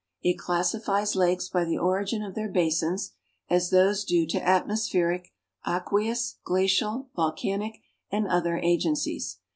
It classilies lakes by the origin of their basins, as those due to atmosplieric, atpieous, glacial, volcanic, and other agencies.